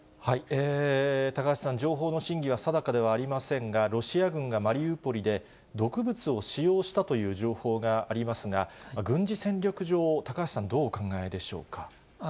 高橋さん、情報の真偽は定かではありませんが、ロシア軍がマリウポリで毒物を使用したという情報がありますが、軍事戦略上、高橋さん、どうお考えでしょうか。